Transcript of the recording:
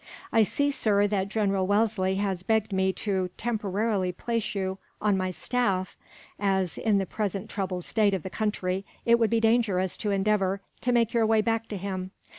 "I see, sir, that General Wellesley has begged me to temporarily place you on my staff as, in the present troubled state of the country, it would be dangerous to endeavour to make your way back to him.